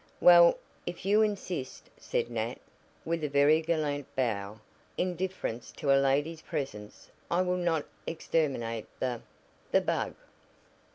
"Well, if you insist," said Nat, with a very gallant bow. "In deference to a lady's presence I will not exterminate the the bug."